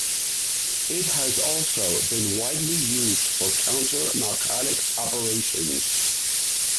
It has also been widely used for counter-narcotics operations.